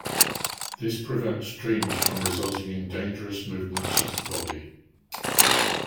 This prevents dreams from resulting in dangerous movements of the body.